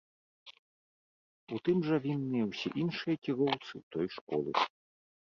У тым жа вінныя ўсе іншыя кіроўцы ў той школы.